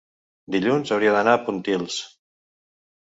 dilluns hauria d'anar a Pontils.